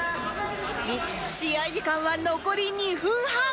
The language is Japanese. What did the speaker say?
試合時間は残り２分半